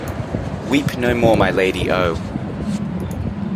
Weep no more my lady, oh!